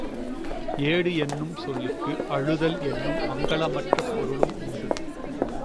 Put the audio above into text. ஏடு என்னும் சொல்லுக்கு அழுதல் என்னும் மங்கலமற்ற பொருளும் உண்டு.